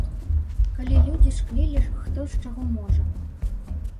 Калі людзі шклілі хто з чаго можа.